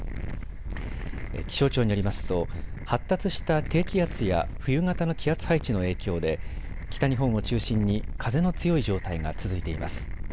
気象庁によりますと発達した低気圧や冬型の気圧配置の影響で北日本を中心に風の強い状態が続いています。